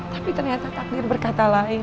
tapi ternyata takdir berkata lain